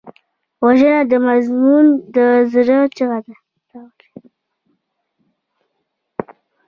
وژنه د مظلوم د زړه چیغه ده